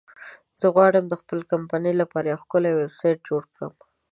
زه غواړم د خپلې کمپنی لپاره یو ښکلی ویبسایټ جوړ کړم